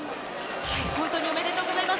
本島におめでとうございます。